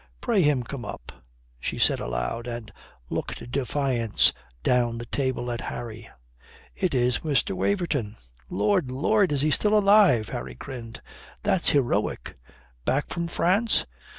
"Pray him come up," she said aloud, and looked defiance down the table at Harry. "It is Mr. Waverton." "Lord, Lord, is he still alive?" Harry grinned. "That's heroic." "Back from France?